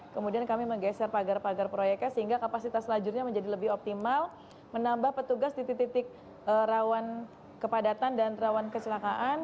kemudian kami menggeser pagar pagar proyeknya sehingga kapasitas lajurnya menjadi lebih optimal menambah petugas di titik titik rawan kepadatan dan rawan kecelakaan